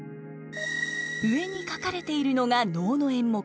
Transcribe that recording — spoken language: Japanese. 上に書かれているのが能の演目。